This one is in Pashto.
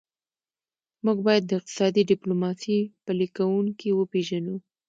موږ باید د اقتصادي ډیپلوماسي پلي کوونکي وپېژنو